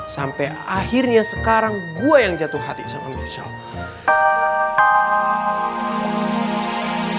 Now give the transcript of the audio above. sampai akhirnya sekarang gue yang jatuh hati sama michelle